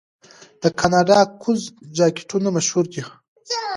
د کاناډا ګوز جاکټونه مشهور دي.